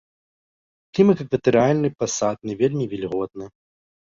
Клімат экватарыяльны пасатны, вельмі вільготны.